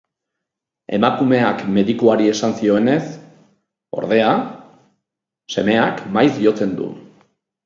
Emakumeak medikuari esan zionez, ordea, semeak maiz jotzen du.